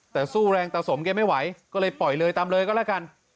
แต่สู้แรงตาสมแกไม่ไหวก็เลยปล่อยเลยตามเลยก็แล้วกัน